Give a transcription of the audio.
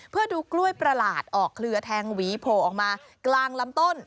เพื่อดูกล้วยประหลาดออกเครือแทงหวีโผล่ออกมากลางลำต้น